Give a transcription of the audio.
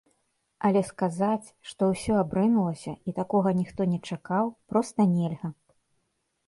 Але сказаць, што ўсё абрынулася і такога ніхто не чакаў, проста нельга.